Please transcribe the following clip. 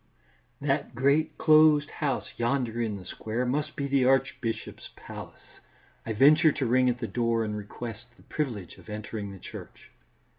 That great, closed house yonder in the square must be the archbishop's palace. I venture to ring at the door and request the privilege of entering the church.